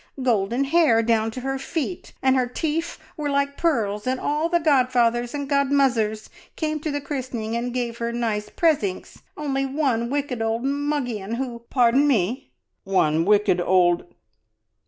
Golden hair down to her feet, and her teef were like pearls, and all the godfathers and godmuzzers came to the christening and gave her nice presinks, only one wicked old mugian who " "Pardon me! One wicked old